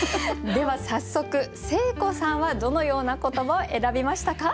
では早速誠子さんはどのような言葉を選びましたか？